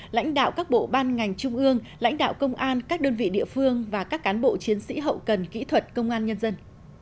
lãnh đạo các bộ ban ngành trung ương lãnh đạo công an các đơn vị địa phương và các cán bộ chiến sĩ hậu cần kỹ thuật công an nhân dân